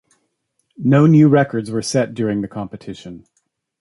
No new records were set during the competition.